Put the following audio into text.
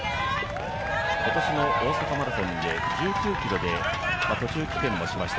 今年の大阪マラソンで１９ｋｍで途中棄権もしました。